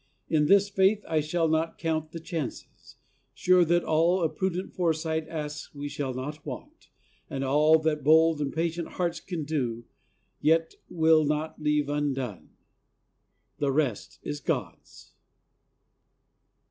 In this faith I shall not count the chances sure that all A prudent foresight asks we shall not want, And all that bold and patient hearts can do Ye will not leave undone. The rest is God's!